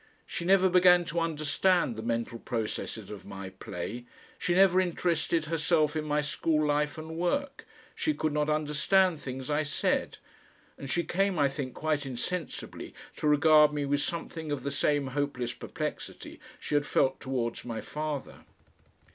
She never began to understand the mental processes of my play, she never interested herself in my school life and work, she could not understand things I said; and she came, I think, quite insensibly to regard me with something of the same hopeless perplexity she had felt towards my father.